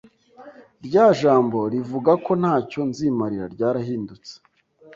rya jambo rivuga ko nta cyo nzimarira ryarahindutse